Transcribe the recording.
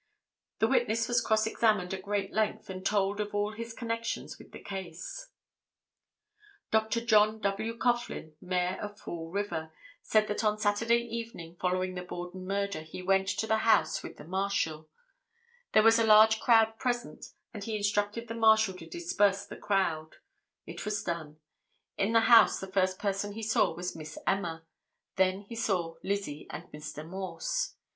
'" The witness was cross examined at great length and told of all his connections with the case. Dr. John W. Coughlin, Mayor of Fall River, said that on Saturday evening following the Borden murder he went to the house with the marshal; there was a large crowd present and he instructed the marshal to disperse the crowd; it was done; in the house the first person he saw was Miss Emma; then he saw Lizzie and Mr. Morse.